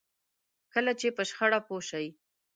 کله چې په شخړه پوه شئ.